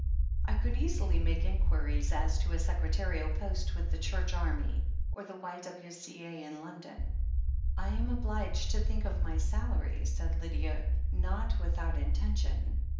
I could easily make inquiries as to a secretarial post with the Church Army or the Y.W.C. A. in London." "I am obliged to think of my salary," said Lydia, not without intention.